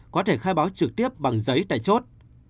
có thể khai báo trực tiếp bằng giấy tại chốt